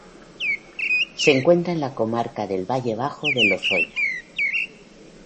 Se encuentra en la Comarca del Valle Bajo del Lozoya.